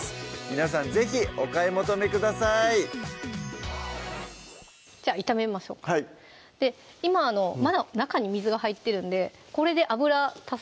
皆さん是非お買い求めくださいじゃあ炒めましょうか今まだ中に水が入ってるんでこれで油足す